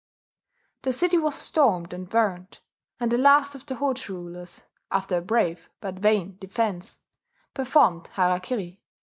The city was stormed and burned; and the last of the Hojo rulers, after a brave but vain defence, performed harakiri.